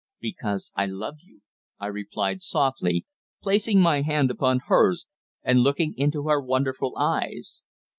"Because I love you," I replied softly, placing my hand upon hers and looking into her wonderful eyes.